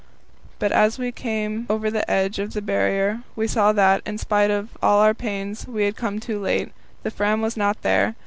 But as we came over the edge of the Barrier we saw that, in spite of all our pains, we had come too late. The Fram was not there.